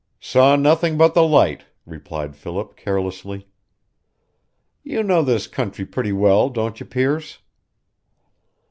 "Saw nothing but the light," replied Philip, carelessly. "You know this country pretty well, don't you, Pearce?"